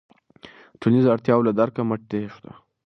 د ټولنیزو اړتیاوو له درکه مه تېښته.